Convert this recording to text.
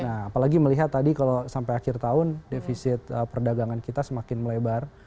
nah apalagi melihat tadi kalau sampai akhir tahun defisit perdagangan kita semakin melebar